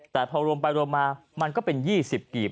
แต่พอรวมไปรวมมามันก็เป็น๒๐กีบ